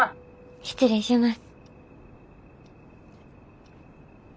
失礼します。